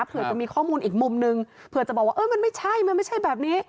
เผื่อจะมีข้อมูลอีกมุมนึงเผื่อจะบอกว่าเออมันไม่ใช่มันไม่ใช่แบบนี้